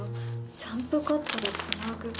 「ジャンプカットでつなぐ」。